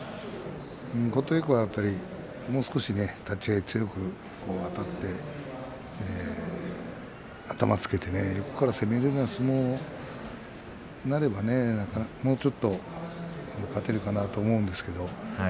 琴恵光は、やっぱりもう少しね立ち合い、強くあたって頭つけて横から攻められるような相撲になればねもうちょっと勝てるかなと思うんですけど。